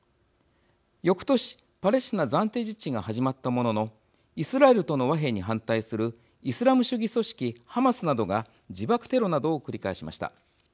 よくとし、パレスチナ暫定自治が始まったもののイスラエルとの和平に反対するイスラム主義組織ハマスなどが自爆テロなどを繰り返しました。